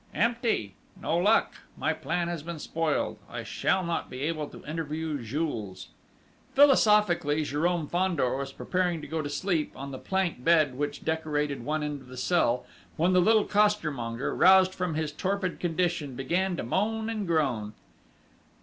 "Empty!... No luck!... My plan has been spoiled: I shall not be able to interview Jules!" Philosophically, Jérôme Fandor was preparing to go to sleep on the plank bed which decorated one end of the cell, when the little costermonger, roused from his torpid condition, began to moan and groan.